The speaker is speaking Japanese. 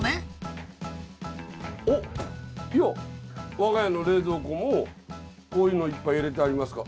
おっいや我が家の冷蔵庫もこういうのいっぱい入れてありますから。